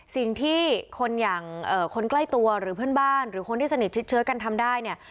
สิ่งที่คนอย่างคนใกล้ตัวหรือเพื่อนบ้านหรือคนที่สนิทชิดเชื้อกันทำได้เนี่ย